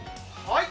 はい！